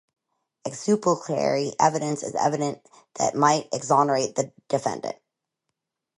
Exculpatory evidence is evidence that might exonerate the defendant.